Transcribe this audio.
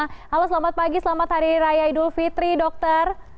halo selamat pagi selamat hari raya idul fitri dokter